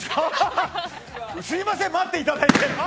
すみません、待っていただいて。